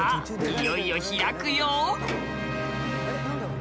いよいよ開くよ！